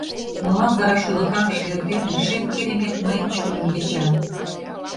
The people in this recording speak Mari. Молан вара шӱлыкаҥше эрдене Шем Керемет мыйын чоным яча?